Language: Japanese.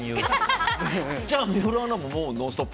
じゃあ、水卜アナも、もう「ノンストップ！」